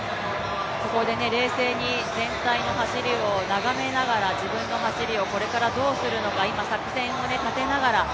ここで冷静に全体の走りを眺めながら自分の走りをこれからどうするのか、今作戦を立てながら。